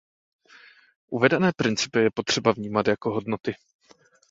Uvedené principy je potřeba vnímat jako hodnoty.